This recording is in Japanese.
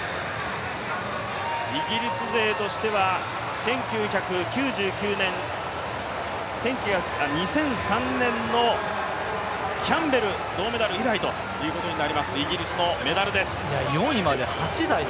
イギリス勢としては、２００３年のキャンベルの銅メダル以来というイギリスのメダルです。